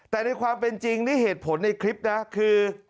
แต่ในความเป็นจริงนี่เหตุผลในคลิปนะคือ